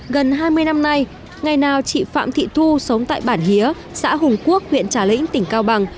gần hai mươi năm nay ngày nào chị phạm thị thu sống tại bản hía xã hùng quốc huyện trà lĩnh tỉnh cao bằng